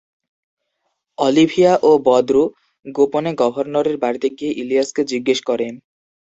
Olivia ও বদরু গোপনে গভর্নরের বাড়িতে গিয়ে ইলিয়াসকে জিজ্ঞেস করে।